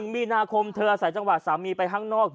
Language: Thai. ๑มีนาคมเธอใส่จังหวัดสามีไปข้างนอก